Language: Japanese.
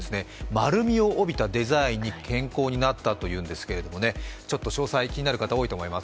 丸みを帯びたデザインに変更になったというんですけれども、ちょっと詳細、気になる方、多いと思います。